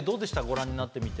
ご覧になってみて。